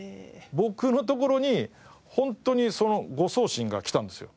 僕のところにホントにその誤送信がきたんですよ。